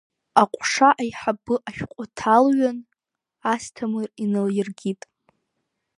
Аҟәша аиҳабы ашәҟәы ҭалыҩын, Асҭамыпр инаилыркит.